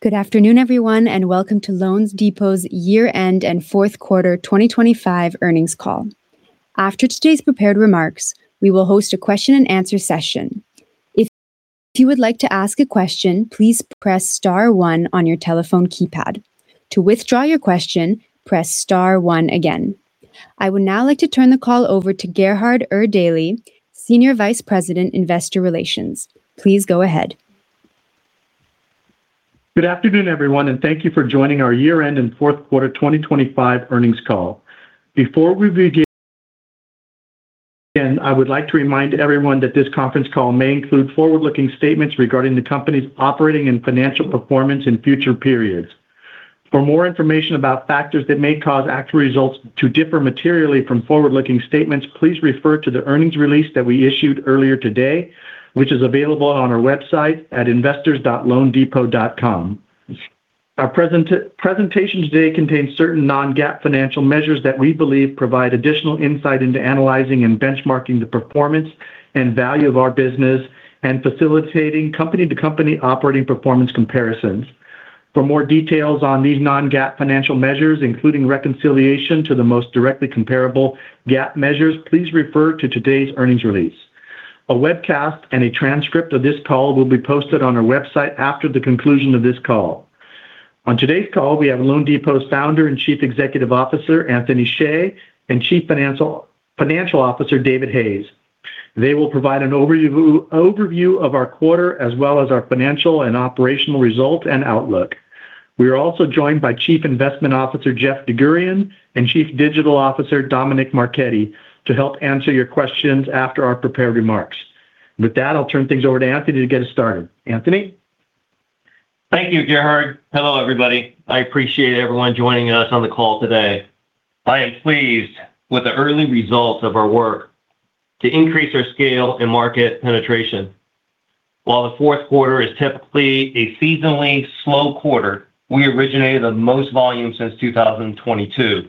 Good afternoon, everyone, and welcome to loanDepot's year-end and fourth quarter 2025 earnings call. After today's prepared remarks, we will host a question and answer session. If you would like to ask a question, please press star one on your telephone keypad. To withdraw your question, press star one again. I would now like to turn the call over to Gerhard Erdelji, Senior Vice President, Investor Relations. Please go ahead. Good afternoon, everyone, and thank you for joining our year-end and fourth quarter 2025 earnings call. Before we begin, I would like to remind everyone that this conference call may include forward-looking statements regarding the company's operating and financial performance in future periods. For more information about factors that may cause actual results to differ materially from forward-looking statements, please refer to the earnings release that we issued earlier today, which is available on our website at investors.loandepot.com. Our presentation today contains certain non-GAAP financial measures that we believe provide additional insight into analyzing and benchmarking the performance and value of our business and facilitating company to company operating performance comparisons. For more details on these non-GAAP financial measures, including reconciliation to the most directly comparable GAAP measures, please refer to today's earnings release. A webcast and a transcript of this call will be posted on our website after the conclusion of this call. On today's call, we have loanDepot's Founder and Chief Executive Officer, Anthony Hsieh, and Chief Financial Officer, David Hayes. They will provide an overview of our quarter as well as our financial and operational results and outlook. We are also joined by Chief Investment Officer Jeff DeGurian and Chief Digital Officer Dominick Marchetti to help answer your questions after our prepared remarks. With that, I'll turn things over to Anthony to get us started. Anthony. Thank you, Gerhard. Hello, everybody. I appreciate everyone joining us on the call today. I am pleased with the early results of our work to increase our scale and market penetration. While the fourth quarter is typically a seasonally slow quarter, we originated the most volume since 2022,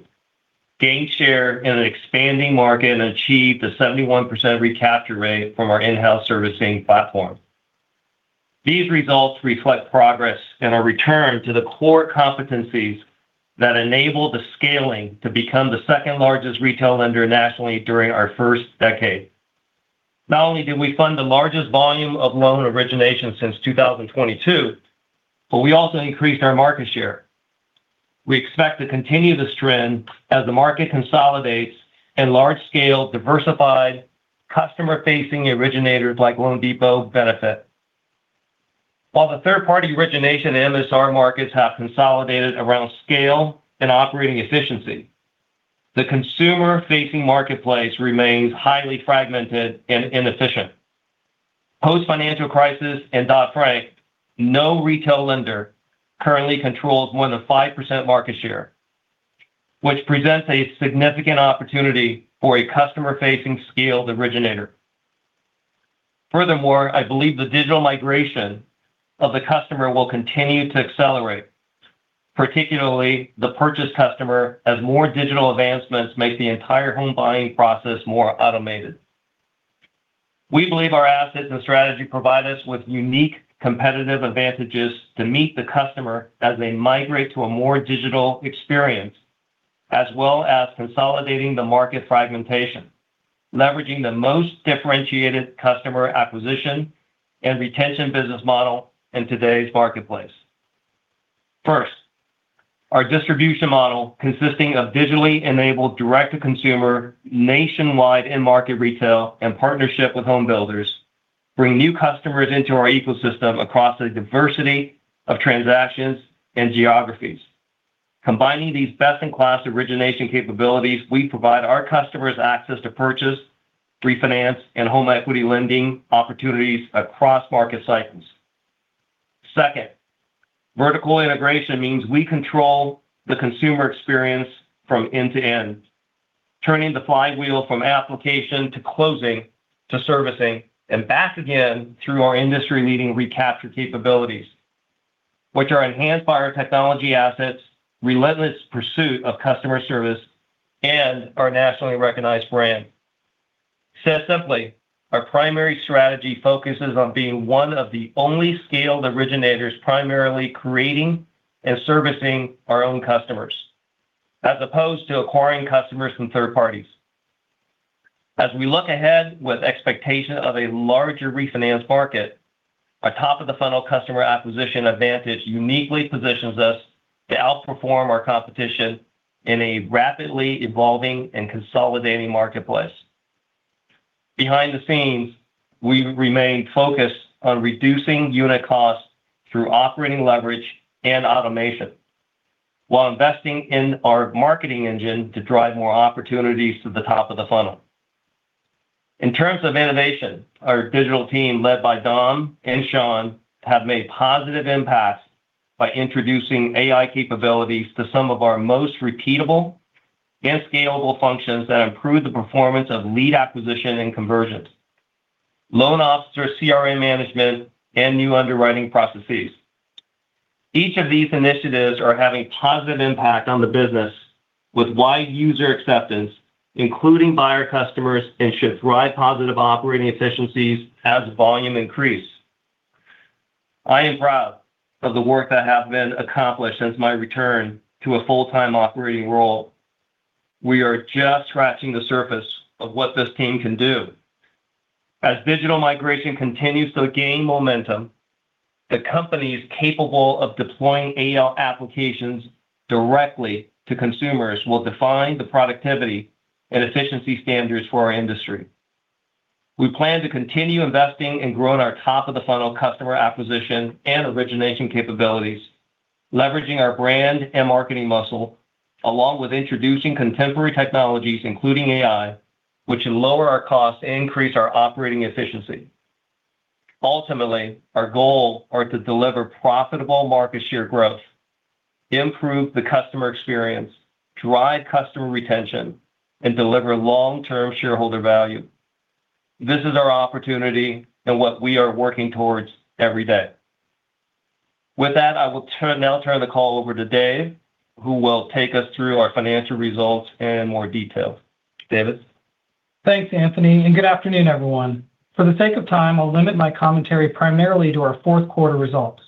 gained share in an expanding market, and achieved a 71% recapture rate from our in-house servicing platform. These results reflect progress in our return to the core competencies that enable the scaling to become the second largest retail lender nationally during our first decade. Not only did we fund the largest volume of loan originations since 2022, but we also increased our market share. We expect to continue this trend as the market consolidates and large-scale, diversified customer-facing originators like loanDepot benefit. While the third-party origination and MSR markets have consolidated around scale and operating efficiency, the consumer-facing marketplace remains highly fragmented and inefficient. Post-financial crisis and Dodd-Frank, no retail lender currently controls more than 5% market share, which presents a significant opportunity for a customer-facing scaled originator. Furthermore, I believe the digital migration of the customer will continue to accelerate, particularly the purchase customer, as more digital advancements make the entire home buying process more automated. We believe our assets and strategy provide us with unique competitive advantages to meet the customer as they migrate to a more digital experience, as well as consolidating the market fragmentation, leveraging the most differentiated customer acquisition and retention business model in today's marketplace. First, our distribution model consisting of digitally enabled direct-to-consumer nationwide end market retail and partnership with home builders bring new customers into our ecosystem across a diversity of transactions and geographies. Combining these best-in-class origination capabilities, we provide our customers access to purchase, refinance, and home equity lending opportunities across market cycles. Second, vertical integration means we control the consumer experience from end to end, turning the flywheel from application to closing to servicing and back again through our industry-leading recapture capabilities, which are enhanced by our technology assets, relentless pursuit of customer service, and our nationally recognized brand. Said simply, our primary strategy focuses on being one of the only scaled originators primarily creating and servicing our own customers, as opposed to acquiring customers from third parties. As we look ahead with expectation of a larger refinance market, our top-of-the-funnel customer acquisition advantage uniquely positions us to outperform our competition in a rapidly evolving and consolidating marketplace. Behind the scenes, we've remained focused on reducing unit costs through operating leverage and automation while investing in our marketing engine to drive more opportunities to the top of the funnel. In terms of innovation, our digital team, led by Dom and Sean, have made positive impacts by introducing AI capabilities to some of our most repeatable and scalable functions that improve the performance of lead acquisition and conversions, loan officer CRM management, and new underwriting processes. Each of these initiatives are having positive impact on the business with wide user acceptance, including buyer customers, and should drive positive operating efficiencies as volume increase. I am proud of the work that has been accomplished since my return to a full-time operating role. We are just scratching the surface of what this team can do. As digital migration continues to gain momentum, the company is capable of deploying AI applications directly to consumers will define the productivity and efficiency standards for our industry. We plan to continue investing and growing our top of the funnel customer acquisition and origination capabilities, leveraging our brand and marketing muscle, along with introducing contemporary technologies, including AI, which will lower our costs and increase our operating efficiency. Ultimately, our goal are to deliver profitable market share growth, improve the customer experience, drive customer retention, and deliver long-term shareholder value. This is our opportunity and what we are working towards every day. With that, I will now turn the call over to David, who will take us through our financial results in more detail. David. Thanks, Anthony, and good afternoon, everyone. For the sake of time, I'll limit my commentary primarily to our fourth quarter results.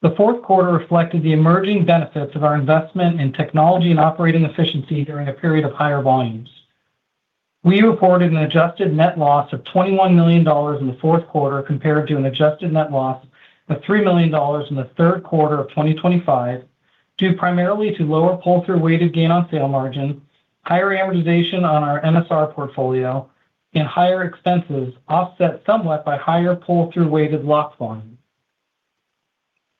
The fourth quarter reflected the emerging benefits of our investment in technology and operating efficiency during a period of higher volumes. We reported an adjusted net loss of $21 million in the fourth quarter compared to an adjusted net loss of $3 million in the third quarter of 2025, due primarily to lower pull-through weighted gain on sale margin, higher amortization on our MSR portfolio, and higher expenses offset somewhat by higher pull-through weighted lock volume.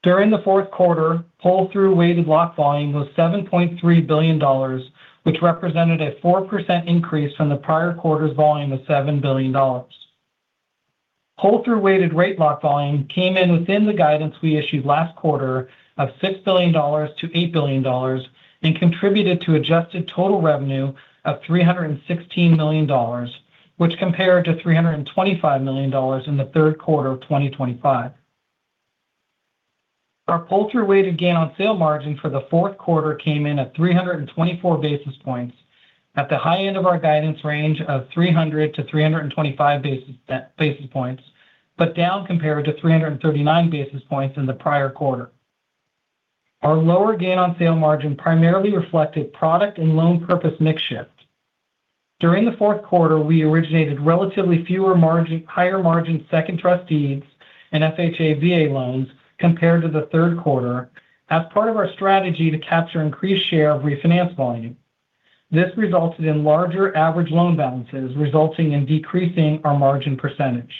During the fourth quarter, pull-through weighted lock volume was $7.3 billion, which represented a 4% increase from the prior quarter's volume of $7 billion. Pull-through weighted rate lock volume came in within the guidance we issued last quarter of $6 billion-$8 billion and contributed to adjusted total revenue of $316 million, which compared to $325 million in the third quarter of 2025. Our pull-through weighted gain on sale margin for the fourth quarter came in at 324 basis points at the high end of our guidance range of 300-325 basis points, but down compared to 339 basis points in the prior quarter. Our lower gain on sale margin primarily reflected product and loan purpose mix shift. During the fourth quarter, we originated relatively fewer higher margin second trust deeds and FHA, VA loans compared to the third quarter as part of our strategy to capture increased share of refinance volume. This resulted in larger average loan balances, resulting in decreasing our margin percentage.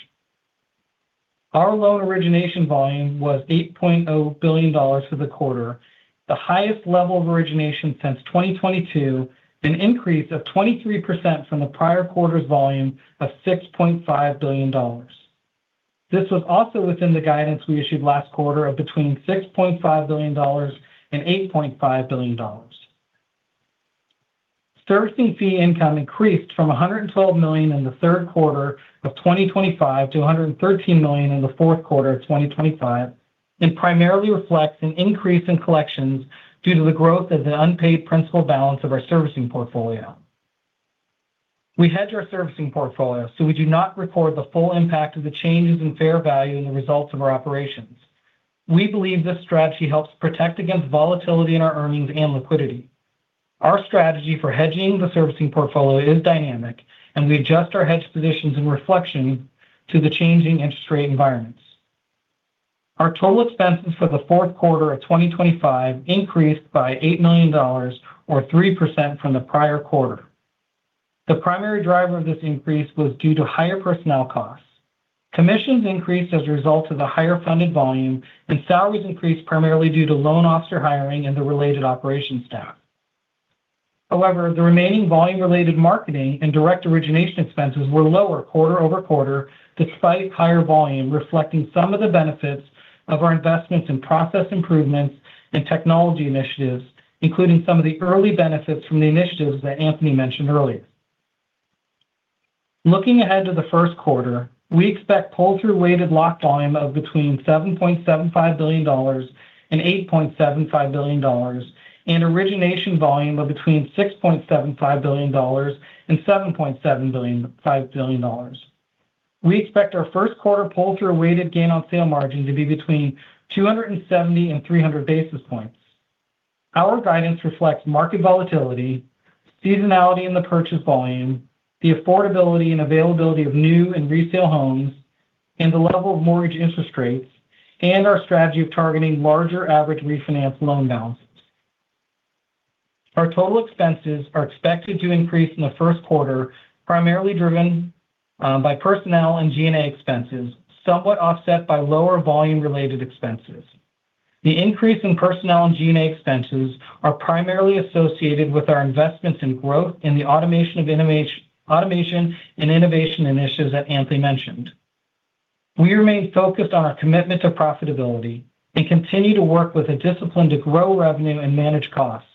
Our loan origination volume was $8.0 billion for the quarter, the highest level of origination since 2022, an increase of 23% from the prior quarter's volume of $6.5 billion. This was also within the guidance we issued last quarter of between $6.5 billion and $8.5 billion. Servicing fee income increased from $112 million in the third quarter of 2025 to $113 million in the fourth quarter of 2025, and primarily reflects an increase in collections due to the growth of the unpaid principal balance of our servicing portfolio. We hedge our servicing portfolio, so we do not record the full impact of the changes in fair value in the results of our operations. We believe this strategy helps protect against volatility in our earnings and liquidity. Our strategy for hedging the servicing portfolio is dynamic, and we adjust our hedge positions in reflection to the changing interest rate environments. Our total expenses for the fourth quarter of 2025 increased by $8 million or 3% from the prior quarter. The primary driver of this increase was due to higher personnel costs. Commissions increased as a result of the higher funded volume, and salaries increased primarily due to loan officer hiring and the related operations staff. However, the remaining volume-related marketing and direct origination expenses were lower quarter-over-quarter despite higher volume, reflecting some of the benefits of our investments in process improvements and technology initiatives, including some of the early benefits from the initiatives that Anthony mentioned earlier. Looking ahead to the first quarter, we expect pull-through weighted lock volume of between $7.75 billion and $8.75 billion and origination volume of between $6.75 billion and $7.75 billion. We expect our first quarter pull-through weighted gain on sale margin to be between 270 and 300 basis points. Our guidance reflects market volatility, seasonality in the purchase volume, the affordability and availability of new and resale homes, and the level of mortgage interest rates, and our strategy of targeting larger average refinance loan balances. Our total expenses are expected to increase in the first quarter, primarily driven by personnel and G&A expenses, somewhat offset by lower volume-related expenses. The increase in personnel and G&A expenses are primarily associated with our investments in growth in the automation and innovation initiatives that Anthony mentioned. We remain focused on our commitment to profitability and continue to work with the discipline to grow revenue and manage costs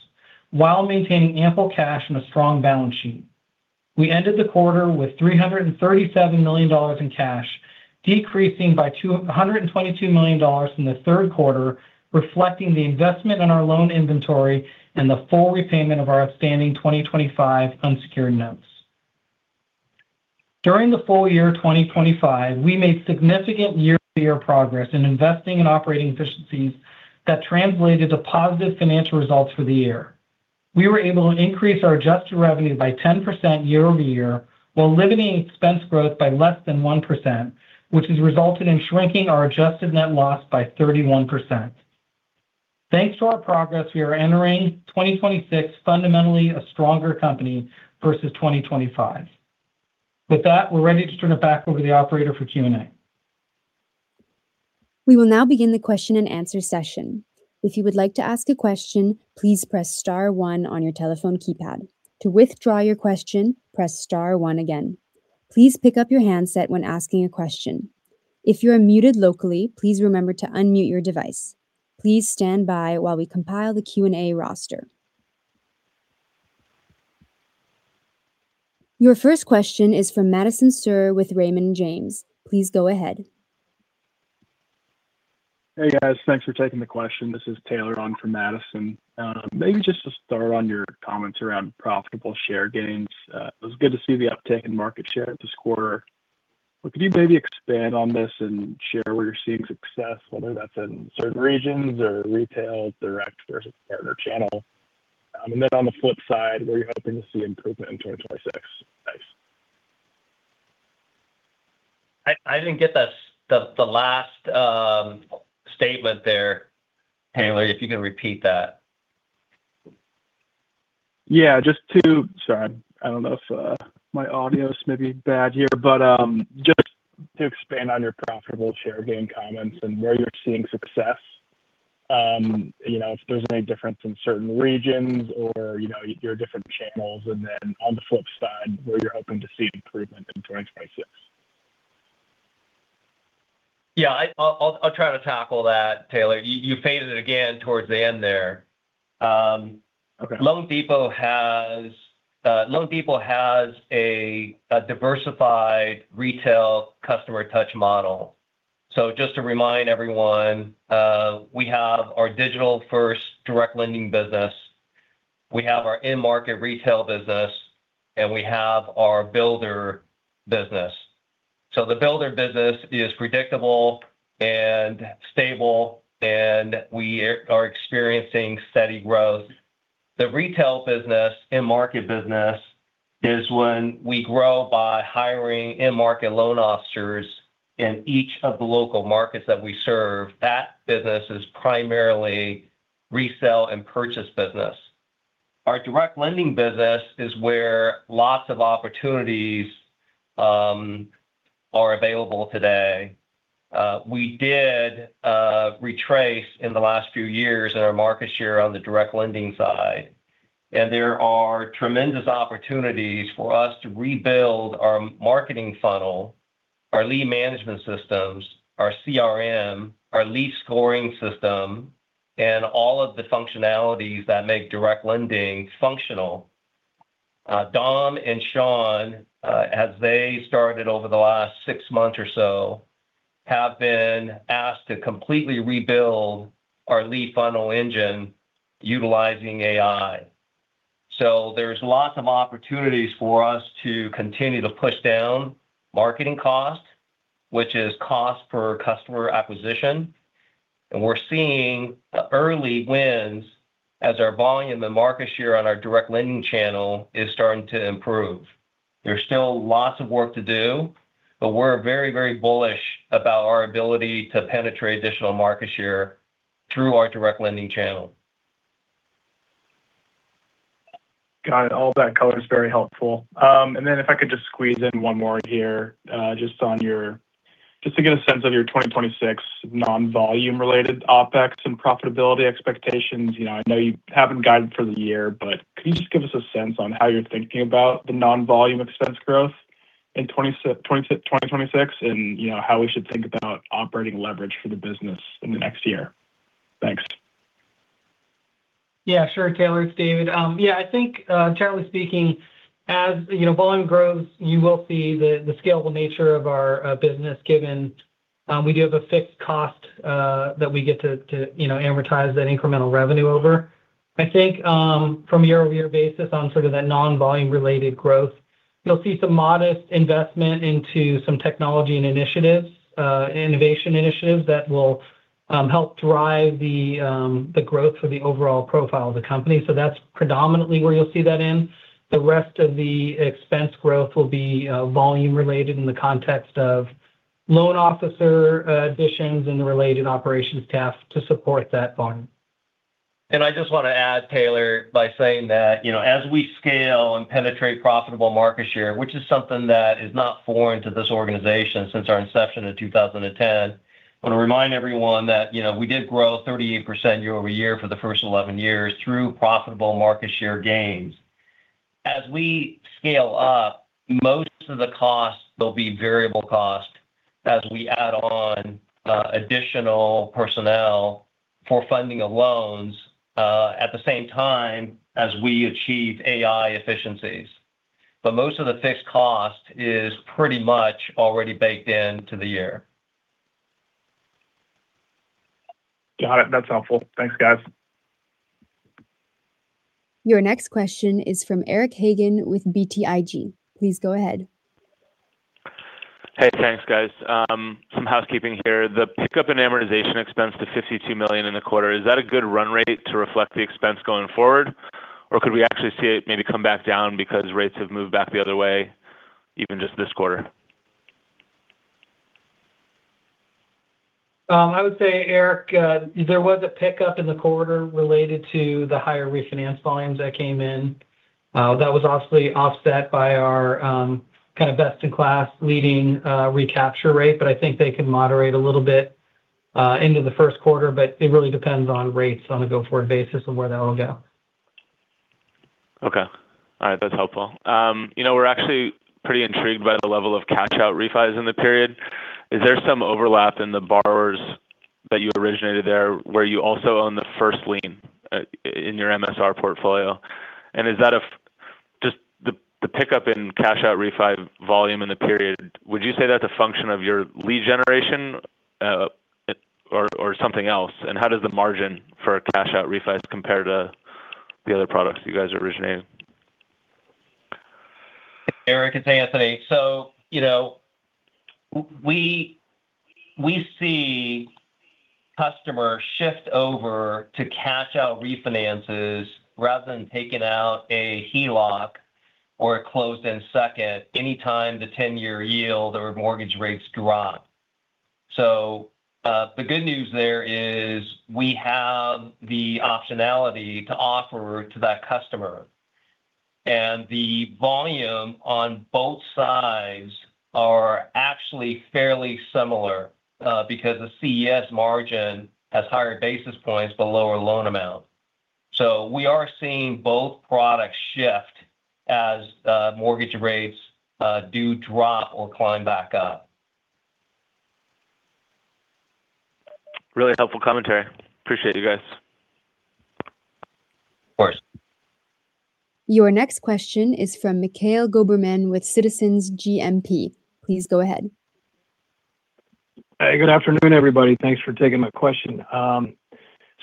while maintaining ample cash and a strong balance sheet. We ended the quarter with $337 million in cash, decreasing by $222 million in the third quarter, reflecting the investment in our loan inventory and the full repayment of our outstanding 2025 unsecured notes. During the full year 2025, we made significant year-over-year progress in investing in operating efficiencies that translated to positive financial results for the year. We were able to increase our adjusted revenue by 10% year over year while limiting expense growth by less than 1%, which has resulted in shrinking our adjusted net loss by 31%. Thanks to our progress, we are entering 2026 fundamentally a stronger company versus 2025. With that, we're ready to turn it back over to the operator for Q&A. We will now begin the question and answer session. If you would like to ask a question, please press star one on your telephone keypad. To withdraw your question, press star one again. Please pick up your handset when asking a question. If you are muted locally, please remember to unmute your device. Please stand by while we compile the Q&A roster. Your first question is from Madison Suhr with Raymond James. Please go ahead. Hey, guys. Thanks for taking the question. This is Taylor on for Madison Suhr. Maybe just to start on your comments around profitable share gains. It was good to see the uptake in market share this quarter. Could you maybe expand on this and share where you're seeing success, whether that's in certain regions or retail, direct versus partner channel? Then on the flip side, where are you hoping to see improvement in 2026? Thanks. I didn't get the last statement there, Taylor. If you can repeat that. Sorry, I don't know if my audio's maybe bad here. Just to expand on your profitable share gain comments and where you're seeing success. You know, if there's any difference in certain regions or, you know, your different channels? Then on the flip side, where you're hoping to see improvement in 2026? Yeah, I'll try to tackle that, Taylor. You faded again towards the end there. Okay. loanDepot has a diversified retail customer touch model. Just to remind everyone, we have our digital-first direct lending business, we have our in-market retail business, and we have our builder business. The builder business is predictable and stable, and we are experiencing steady growth. The retail business, in-market business is when we grow by hiring in-market loan officers in each of the local markets that we serve. That business is primarily resale and purchase business. Our direct lending business is where lots of opportunities are available today. We did retrace in the last few years in our market share on the direct lending side. There are tremendous opportunities for us to rebuild our marketing funnel, our lead management systems, our CRM, our lead scoring system, and all of the functionalities that make direct lending functional. Dom and Sean, as they started over the last six months or so, have been asked to completely rebuild our lead funnel engine utilizing AI. There's lots of opportunities for us to continue to push down marketing costs, which is cost per customer acquisition. We're seeing early wins as our volume and market share on our direct lending channel is starting to improve. There's still lots of work to do, but we're very, very bullish about our ability to penetrate additional market share through our direct lending channel. Got it. All that color is very helpful. And then if I could just squeeze in one more here. Just to get a sense of your 2026 non-volume related OpEx and profitability expectations. You know, I know you haven't guided for the year, but could you just give us a sense on how you're thinking about the non-volume expense growth in 2026, and you know, how we should think about operating leverage for the business in the next year? Thanks. Yeah, sure, Taylor. It's David. Yeah, I think, generally speaking, as you know, volume grows, you will see the scalable nature of our business, given we do have a fixed cost that we get to you know, amortize that incremental revenue over. I think from a year-over-year basis on sort of the non-volume related growth, you'll see some modest investment into some technology and initiatives, innovation initiatives that will help drive the growth for the overall profile of the company. That's predominantly where you'll see that in. The rest of the expense growth will be volume related in the context of loan officer additions and the related operations staff to support that volume. I just want to add, Taylor, by saying that, you know, as we scale and penetrate profitable market share, which is something that is not foreign to this organization since our inception in 2010. I want to remind everyone that, you know, we did grow 38% year-over-year for the first 11 years through profitable market share gains. As we scale up, most of the costs will be variable costs. As we add on, additional personnel for funding of loans, at the same time as we achieve AI efficiencies. Most of the fixed cost is pretty much already baked into the year. Got it. That's helpful. Thanks, guys. Your next question is from Eric Hagen with BTIG. Please go ahead. Hey, thanks, guys. Some housekeeping here. The pickup in amortization expense to $52 million in the quarter, is that a good run rate to reflect the expense going forward? Or could we actually see it maybe come back down because rates have moved back the other way, even just this quarter? I would say, Eric, there was a pickup in the quarter related to the higher refinance volumes that came in. That was obviously offset by our, kind of best-in-class leading, recapture rate, but I think they can moderate a little bit, into the first quarter, but it really depends on rates on a go-forward basis and where that'll go. Okay. All right. That's helpful. You know, we're actually pretty intrigued by the level of cash-out refis in the period. Is there some overlap in the borrowers that you originated there where you also own the first lien in your MSR portfolio? Just the pickup in cash-out refi volume in the period, would you say that's a function of your lead generation, or something else? And how does the margin for a cash-out refi compare to the other products you guys originate? Eric, it's Anthony. You know, we see customers shift over to cash out refinances rather than taking out a HELOC or a closed-end second anytime the 10-year yield or mortgage rates drop. The good news there is we have the optionality to offer to that customer. The volume on both sides are actually fairly similar because the CES margin has higher basis points but lower loan amount. We are seeing both products shift as mortgage rates do drop or climb back up. Really helpful commentary. Appreciate you guys. Of course. Your next question is from Mikhail Goberman with Citizens JMP. Please go ahead. Hey, good afternoon, everybody. Thanks for taking my question. Was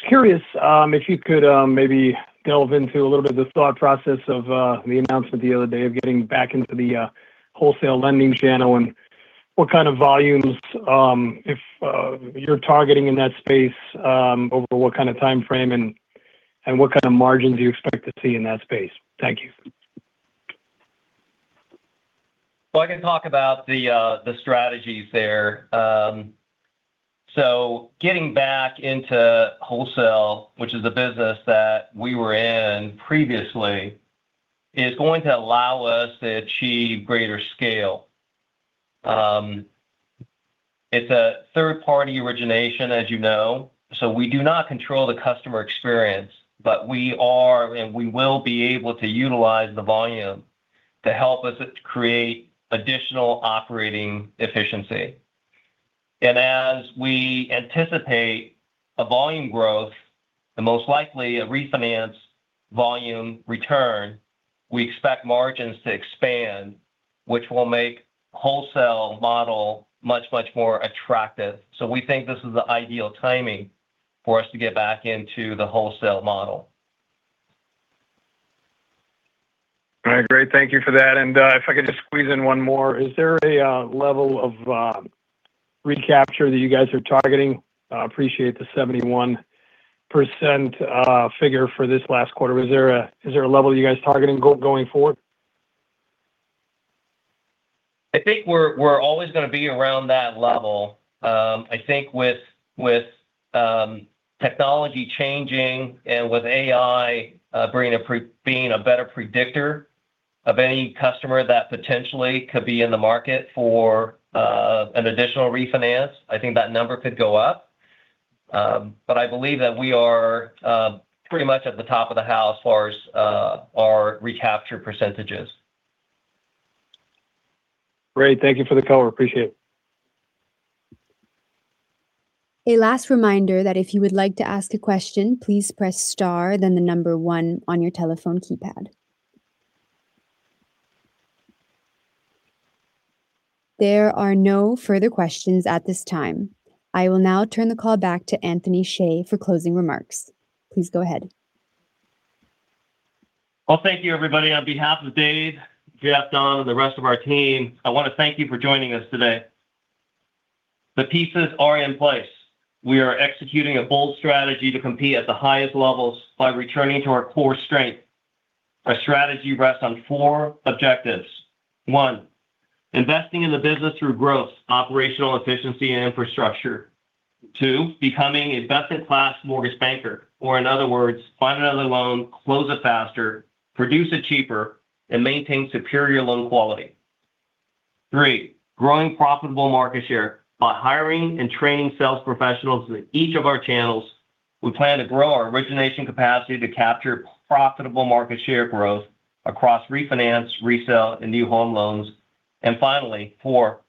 curious if you could maybe delve into a little bit of the thought process of the announcement the other day of getting back into the wholesale lending channel and what kind of volumes if you're targeting in that space over what kind of time frame and what kind of margins you expect to see in that space? Thank you. Well, I can talk about the strategies there. Getting back into wholesale, which is the business that we were in previously, is going to allow us to achieve greater scale. It's a third-party origination, as you know, so we do not control the customer experience, but we are, and we will be able to utilize the volume to help us create additional operating efficiency. As we anticipate a volume growth, and most likely a refinance volume return, we expect margins to expand, which will make wholesale model much, much more attractive. We think this is the ideal timing for us to get back into the wholesale model. All right. Great. Thank you for that. If I could just squeeze in one more. Is there a level of recapture that you guys are targeting? I appreciate the 71% figure for this last quarter. Is there a level you guys targeting going forward? I think we're always gonna be around that level. I think with technology changing and with AI being a better predictor of any customer that potentially could be in the market for an additional refinance, I think that number could go up. I believe that we are pretty much at the top of the house as far as our recapture percentages. Great. Thank you for the color. Appreciate it. One last reminder that if you would like to ask a question, please press star then the number one on your telephone keypad. There are no further questions at this time. I will now turn the call back to Anthony Hsieh for closing remarks. Please go ahead. Well, thank you, everybody. On behalf of Dave, Jeff, Dom, and the rest of our team, I want to thank you for joining us today. The pieces are in place. We are executing a bold strategy to compete at the highest levels by returning to our core strength. Our strategy rests on four objectives. One, investing in the business through growth, operational efficiency and infrastructure. Two, becoming a best-in-class mortgage banker or in other words, find another loan, close it faster, produce it cheaper and maintain superior loan quality. Three, growing profitable market share. By hiring and training sales professionals in each of our channels, we plan to grow our origination capacity to capture profitable market share growth across refinance, resale, and new home loans. Finally, four,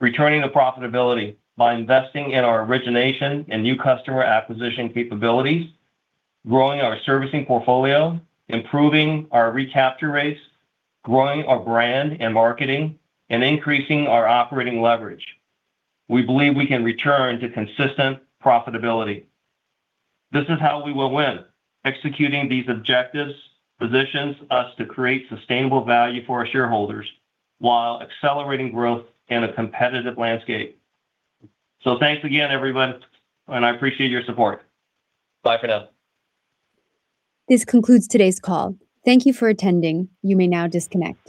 returning to profitability by investing in our origination and new customer acquisition capabilities, growing our servicing portfolio, improving our recapture rates, growing our brand and marketing, and increasing our operating leverage. We believe we can return to consistent profitability. This is how we will win. Executing these objectives positions us to create sustainable value for our shareholders while accelerating growth in a competitive landscape. Thanks again, everyone, and I appreciate your support. Bye for now. This concludes today's call. Thank you for attending. You may now disconnect.